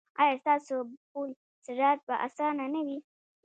ایا ستاسو پل صراط به اسانه نه وي؟